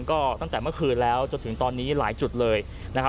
ก็ตั้งแต่เมื่อคืนแล้วจนถึงตอนนี้หลายจุดเลยนะครับ